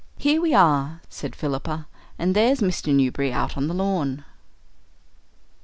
"Here we are," said Philippa, "and there's Mr. Newberry out on the lawn."